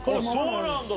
そうなんだ！